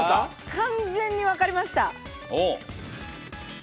完全に分かりました。